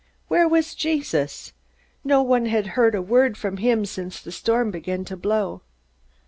Where was Jesus? No one had heard a word from him since the storm began to blow.